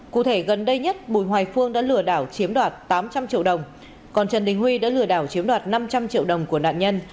cụ thể gần đây nhất bùi hoài phương đã lừa đảo chiếm đoạt tám trăm linh triệu đồng còn trần đình huy đã lừa đảo chiếm đoạt năm trăm linh triệu đồng của nạn nhân